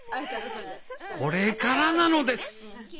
これからなのです！